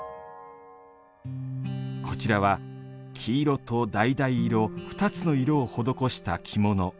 こちらは、黄色とだいだい色２つの色を施した着物。